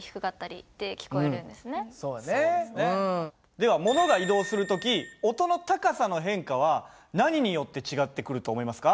ではものが移動する時音の高さの変化は何によって違ってくると思いますか？